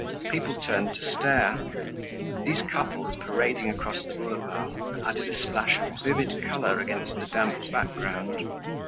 People turned to stare. These couples parading across the boulevard added a splash of vivid color against the damp background.